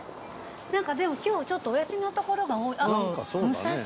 なんかでも今日ちょっとお休みのところが多いあっ！